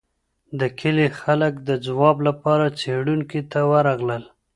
د کلي خلګ د ځواب لپاره څېړونکي ته ورغلل.